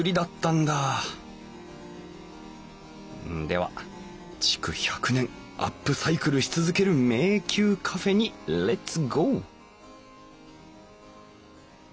では「築１００年アップサイクルし続ける迷宮カフェ」にレッツゴー！